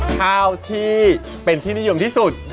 ข้าวที่เป็นที่นิยมที่สุด